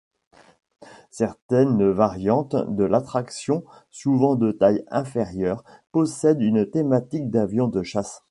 Certaines variantes de l'attraction, souvent de taille inférieure, possèdent une thématique d'avion de chasse.